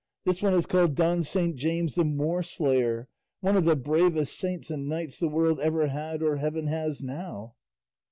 This one is called Don Saint James the Moorslayer, one of the bravest saints and knights the world ever had or heaven has now."